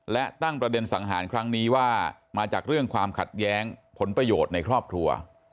และตั้งประเด็นสังหารครั้งนี้ว่ามาจากเรื่องความขัดแย้งผลประโยชน์ในครอบครัว